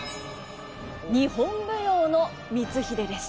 日本舞踊の「光秀」です。